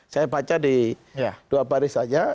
saya baca di dua baris saja